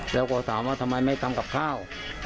แล้วก็ถามว่าทำไมไม่ทำกับข้าว